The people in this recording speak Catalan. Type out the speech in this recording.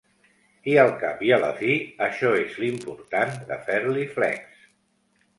I al cap i a la fi, això és l'important, de Farley Flex.